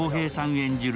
演じる